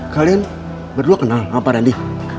kalian berdua kenal apa randi